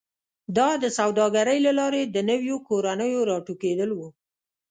دا د سوداګرۍ له لارې د نویو کورنیو راټوکېدل و